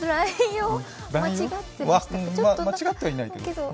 間違ってはいないけど。